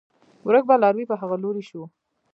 ورک به لاروی په هغه لوري شو